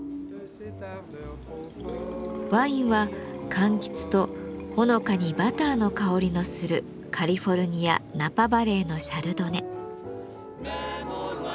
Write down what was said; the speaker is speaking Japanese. ワインはかんきつとほのかにバターの香りのするカリフォルニア・ナパバレーのシャルドネ。